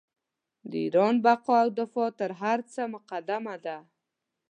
د ایران بقا او دفاع تر هر څه مقدمه ده.